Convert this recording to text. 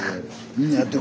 みんなやって。